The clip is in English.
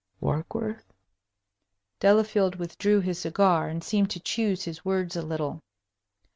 "Warkworth?" Delafield withdrew his cigar, and seemed to choose his words a little.